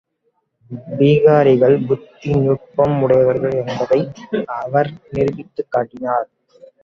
பீகாரிகள் புத்தி நுட்பம் உடையவர்கள் என்பதை அவர் நிரூபித்துக் காட்டினார்.